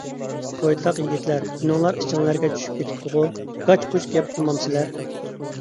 بويتاق يىگىتلەر، ئۈنۈڭلار ئىچىڭلىگە چۈشۈپ كېتپىتىغۇ؟ گاچ-گۇچ گەپ قىلمامسىلەر؟